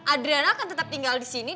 adriana akan tetap tinggal di sini